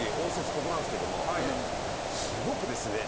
ここなんですけどもすごくですね